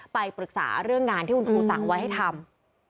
ไปปรึกษาเรื่องงานที่คุณครูสั่งไว้ให้ทำ